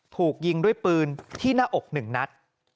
ถูกยิงด้วยปืนที่หน้าอก๑นัด